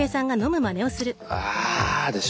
あ！でしょ。